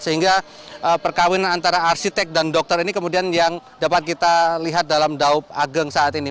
sehingga perkawinan antara arsitek dan dokter ini kemudian yang dapat kita lihat dalam daup ageng saat ini